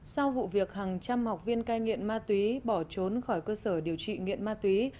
sau vụ việc hàng trăm học viên cai nghiện ma túy bỏ trốn khỏi cơ sở điều trị nghiện ma túy